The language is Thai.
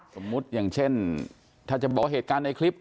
สมมุติอย่างเช่นถ้าจะบอกเหตุการณ์ในคลิป